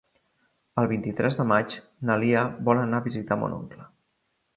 El vint-i-tres de maig na Lia vol anar a visitar mon oncle.